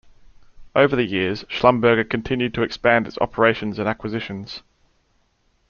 Over the years, Schlumberger continued to expand its operations and acquisitions.